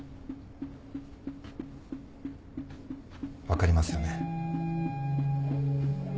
分かりますよね？